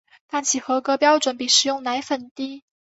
但其合格标准比食用奶粉低。